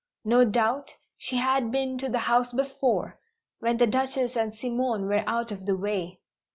No doubt she had been to the house before, when the Duchess and Simone were out of the way.